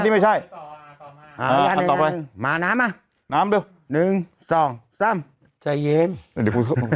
ใช่ไม่ใช่ไม่ใช่มาน้ำมาน้ำเร็วหนึ่งสองสามใจเย็นเดี๋ยว